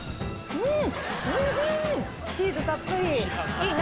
うん！